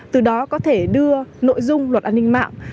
từ đó có thể đưa nội dung luật an ninh mạng